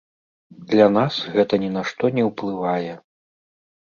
Для нас гэта ні на што не ўплывае.